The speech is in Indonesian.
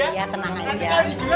iya tenang aja